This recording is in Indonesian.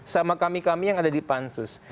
sama kami kami yang ada di pansus